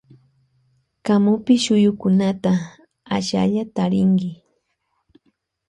Kamupi tarinki ashtalla shuyukunata.